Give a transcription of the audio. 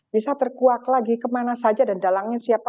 bisa terkuak lagi kemana saja dan dalangnya siapa